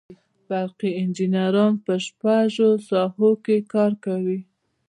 برقي انجینران په شپږو ساحو کې کار کوي.